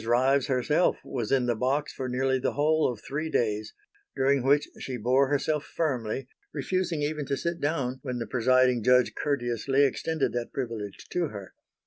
Ryves herself was in the box for nearly the whole of three days, during which she bore herself firmly, refusing even to sit down when the presiding judge courteously extended that privilege to her.